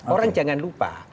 orang jangan lupa